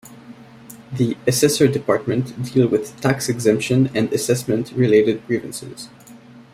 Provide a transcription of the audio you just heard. The "Assessor Department" deal with tax-exemption and assessment related grievances.